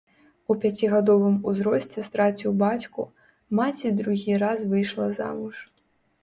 У пяцігадовым узросце страціў бацьку, маці другі раз выйшла замуж.